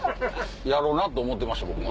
やろうな！と思てました僕も。